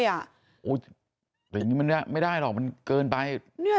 แต่อย่างนี้มันไม่ได้หรอกมันเกินไป